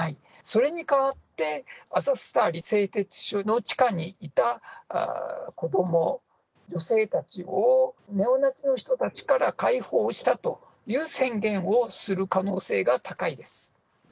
それに代わって、アゾフスタリ製鉄所の地下にいた子ども、女性たちをネオナチの人たちから解放したという宣言をする可能性が高いです。